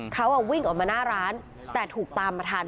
เขาวิ่งออกมาหน้าร้านแต่ถูกตามมาทัน